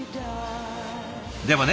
でもね